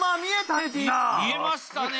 いや見えましたね。